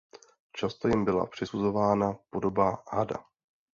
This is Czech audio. Často jim byla přisuzována podoba hada.